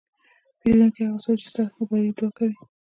پیرودونکی هغه څوک دی چې ستا د بری دعا کوي.